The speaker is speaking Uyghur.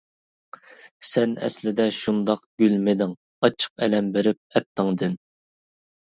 سەن ئەسلىدە شۇنداق گۈلمىدىڭ؟ ئاچچىق ئەلەم بېرىپ ئەپتىڭدىن.